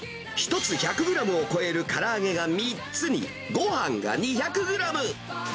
１つ１００グラムを超えるから揚げが３つに、ごはんが２００グラム。